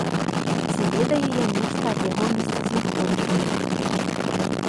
Ці ведаю я нешта аб яго месцазнаходжанні.